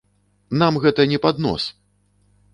Нам гэта не пад нос!